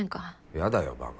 やだよバカ。